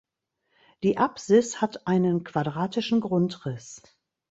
Die Apsis hat einen quadratischen Grundriss.